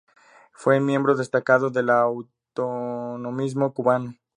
Fue miembro destacado del autonomismo cubano.